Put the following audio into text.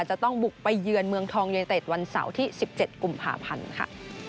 จะต้องบุกไปเยือนเมืองทองยูเนเต็ดวันเสาร์ที่๑๗กุมภาพันธ์ค่ะ